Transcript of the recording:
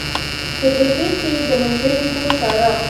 په دوربين کې يې د منګلي کور څاره.